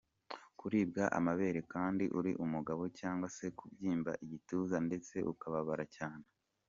Kuribwa amabere kandi uri umugabo cyangwa se kubyimba igituza ndetse ukababara cyane.